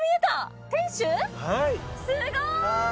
すごい！